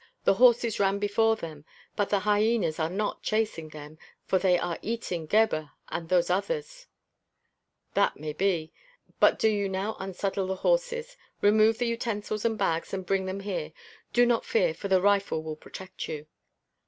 The horses ran before them, but the hyenas are not chasing them, for they are eating Gebhr and those others " "That may be, but do you now unsaddle the horses; remove the utensils and bags and bring them here. Do not fear, for the rifle will protect you."